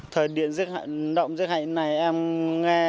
thời điện giết hại động giết hại này em nghe